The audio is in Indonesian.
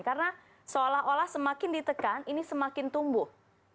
karena seolah olah semakin ditekan ini semakin tumbuh